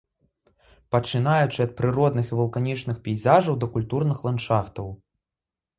Пачынаючы ад прыродных і вулканічных пейзажаў да культурных ландшафтаў.